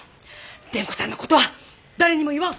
蓮子さんの事は誰にも言わん。